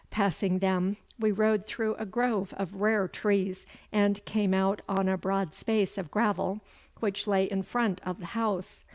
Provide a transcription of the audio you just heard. Passing them we rode through a grove of rare trees and came out on a broad space of gravel which lay in front of the house.